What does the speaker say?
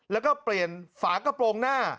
แล้วก็เปลี่ยนฝากระโปรงหน้า